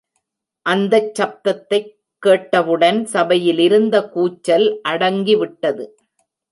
அந்தச் சப்தத்தைக் கேட்டவுடன் சபையிலிருந்த கூச்சல் அடங்கிவிட்டது.